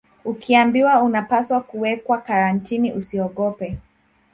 Ukiambiwa unapaswa kuwekwa Karantini usiogope